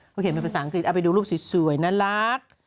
เขาเขียนเป็นภาษาอังกฤษเอาไปดูรูปสวยน่ารัก